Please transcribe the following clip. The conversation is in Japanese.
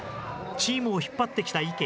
チームを引っ張ってきた池。